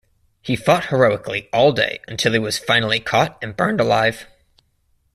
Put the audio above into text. He fought heroically all day until he was finally caught and burned alive.